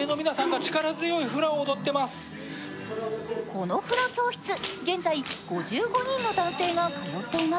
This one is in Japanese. このフラ教室、現在、５５人の男性が通っています。